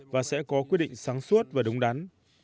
và sẽ có quyết định sáng suốt và đúng đắn